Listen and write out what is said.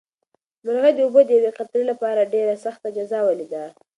مرغۍ د اوبو د یوې قطرې لپاره ډېره سخته جزا ولیده.